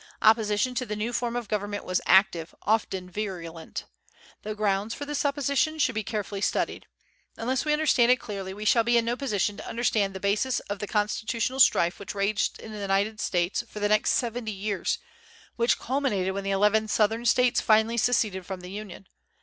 Opposition to the new form of government was active, often virulent. The grounds for this opposition should be carefully studied. Unless we understand it clearly, we shall be in no position to understand the basis of the constitutional strife which raged in the United States for the next seventy years, which culminated when the eleven Southern States finally seceded from the Union.